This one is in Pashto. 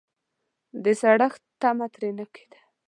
د سړښت تمه ترې نه کېده.